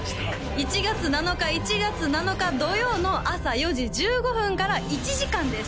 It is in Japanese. １月７日１月７日土曜の朝４時１５分から１時間です